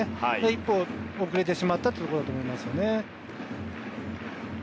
一歩遅れてしまったというところだと思いますね。